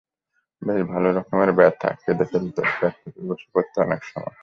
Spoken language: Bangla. বেশ ভালো রকমের ব্যথা, কেঁদে ফেলত, পেট চেপে বসে পড়ত অনেক সময়।